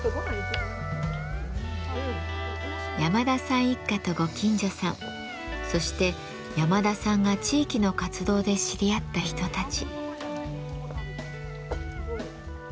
山田さん一家とご近所さんそして山田さんが地域の活動で知り合った人たち。